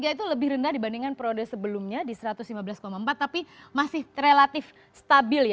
satu ratus lima belas tiga itu lebih rendah dibandingkan periode sebelumnya di satu ratus lima belas empat tapi masih relatif stabil